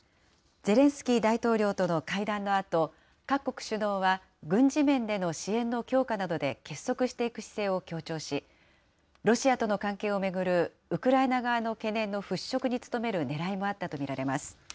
ゼレンスキー大統領との会談のあと、各国首脳は軍事面での支援の強化などで結束していく姿勢を強調し、ロシアとの関係を巡るウクライナ側の懸念の払拭に努めるねらいもあったと見られます。